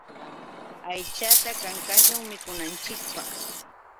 Aychata kankashun mikunanchikpaq.